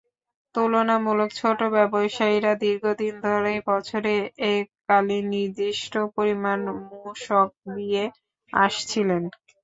তুলনামূলক ছোট ব্যবসায়ীরা দীর্ঘদিন ধরেই বছরে এককালীন নির্দিষ্ট পরিমাণ মূসক দিয়ে আসছিলেন।